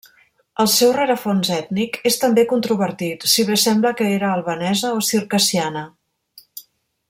El seu rerefons ètnic és també controvertit, si bé sembla que era albanesa o circassiana.